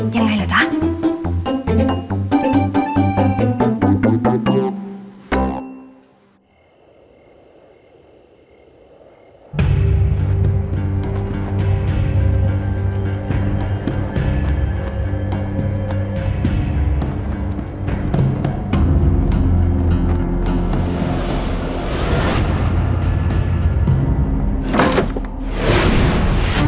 ยังไงเหรอจ๊ะ